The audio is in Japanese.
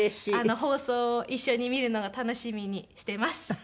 放送を一緒に見るのを楽しみにしてます。